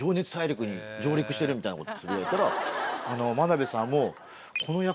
みたいなことつぶやいたら真鍋さんも。